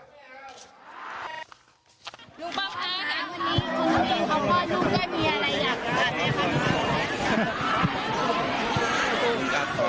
ดูป้องกันวันนี้คุณทักศิลป์